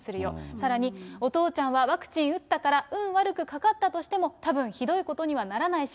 さらに、お父ちゃんはワクチン打ったから、運悪くかかったとしても、たぶんひどいことにはならないし、